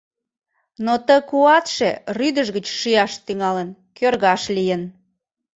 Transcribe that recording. Но ты куатше рӱдыж гыч шӱяш тӱҥалын, кӧргаш лийын.